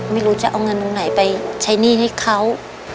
ไม่รู้จะเอาเงินตรงไหนไปใช้หนี้ให้เขา